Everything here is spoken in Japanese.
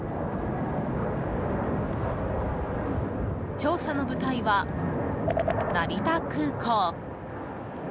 調査の舞台は、成田空港。